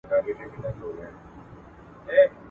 ايا تنظيم اړين دی؟